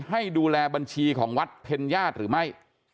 ให้ดูแลบัญชีของวัดเพ็ญญาติหรือไม่